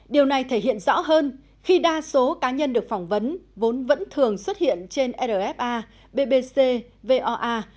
điều này thể hiện rõ hơn khi đa số cá nhân được phỏng vấn vốn vẫn thường xuất hiện trên rfa bbc voa